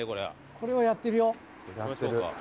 これはやってるよ。